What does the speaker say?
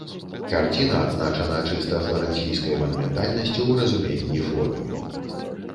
Карціна адзначана чыста фларэнційскай манументальнасцю ў разуменні формы.